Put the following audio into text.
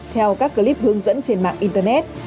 theo các clip hướng dẫn trên mạng internet